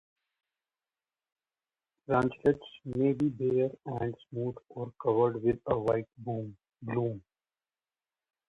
Branchlets may be bare and smooth or covered with a white bloom.